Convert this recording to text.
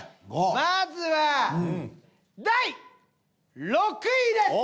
まずは第６位です。